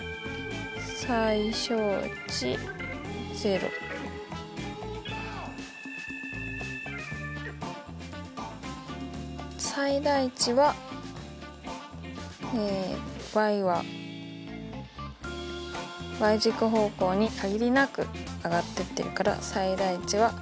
だから最大値はえは軸方向に限りなく上がってってるから最大値はなし。